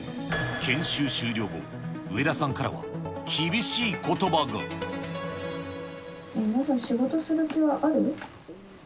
研修終了後、植田さんからは、皆さん、仕事する気はある？